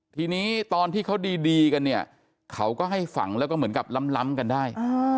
ทีนี้ตอนที่เขาดีกันเนี่ยเขาก็ให้ฝังแล้วก็เหมือนกับล้ำกันได้